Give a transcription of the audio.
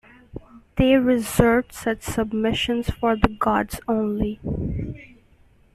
They reserved such submissions for the gods only.